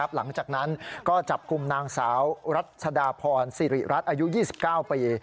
หลังจากนั้นก็จับกลุ่มนางสาวรัชดาพรสิริรัตน์อายุ๒๙ปี